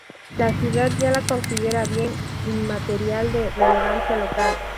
La ciudad ya lo considera Bien Inmaterial de Relevancia Local.